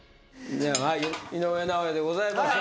井上尚弥でございますが。